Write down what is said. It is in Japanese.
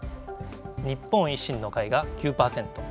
日本維新の会が９％。